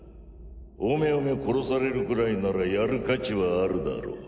おめおめ殺されるくらいならやる価値はあるだろう。